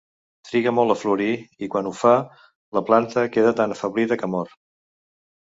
Triga molt a florir i, quan ho fa, la planta queda tan afeblida que mor.